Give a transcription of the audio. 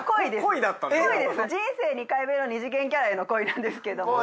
人生２回目の２次元キャラへの恋なんですけど。